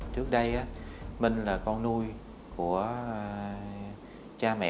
trước đây minh là con nuôi của cha mẹ